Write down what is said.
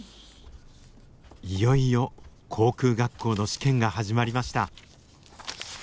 いよいよ航空学校の試験が始まりました。